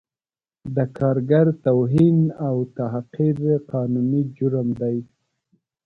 د کارګر توهین او تحقیر قانوني جرم دی